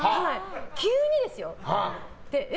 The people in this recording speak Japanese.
急にですよ。え？